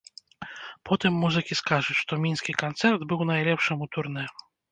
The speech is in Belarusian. Потым музыкі скажуць, што мінскі канцэрт быў найлепшым у турнэ.